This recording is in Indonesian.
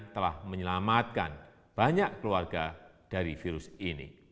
telah menyelamatkan banyak keluarga dari virus ini